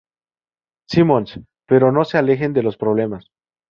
Simons, pero no se alejan de los problemas.